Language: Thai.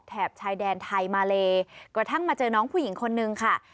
ชายแดนไทยมาเลกระทั่งมาเจอน้องผู้หญิงคนนึงค่ะ